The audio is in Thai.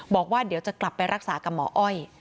บอกว่าเดี๋ยวจะกลับไปรักษากับหมออ้อย